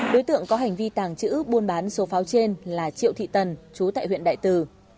đối tượng có hành vi tàng trữ buôn bán số pháo trên là triệu thị tần chú tại huyện đại từ